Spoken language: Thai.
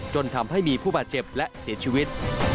จนทำให้มีผู้บาดเจ็บและเสียชีวิต